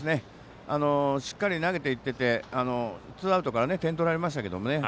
しっかり投げていっててツーアウトから点を取られましたけどね。